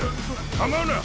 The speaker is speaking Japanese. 構うな！